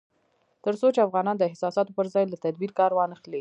تر څو چې افغانان د احساساتو پر ځای له تدبير کار وانخلي